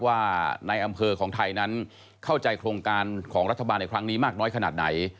ว่าในอำเภอของไทยนั้นเข้าใจโครงการของรัฐบาลในครั้งนี้มากน้อยขนาดไหน